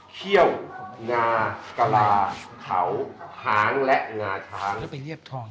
เขี้ยวงากะลาเขาหางและงาช้าง